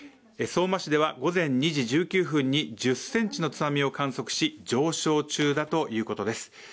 相馬市では午前２時１９分に１０センチの津波を観測し、上昇中だということです。